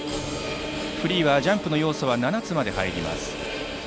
フリーはジャンプの要素は７つまで入ります。